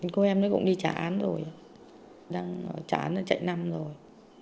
cô em cũng đi trả án rồi trả án nó chạy năm rồi